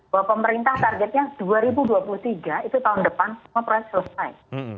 bahwa pemerintah targetnya dua ribu dua puluh tiga itu tahun depan semua proyek selesai